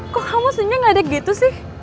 kok kamu sebenernya ngledek gitu sih